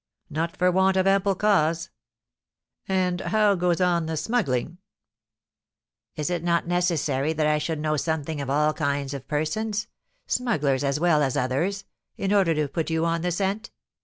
"Not for want of ample cause! And how goes on the smuggling?" "Is it not necessary that I should know something of all kinds of persons smugglers as well as others in order to put you on the scent?